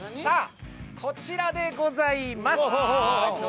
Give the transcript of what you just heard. こちらでございます。